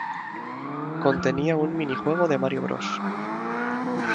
Contenía un minijuego de Mario Bros.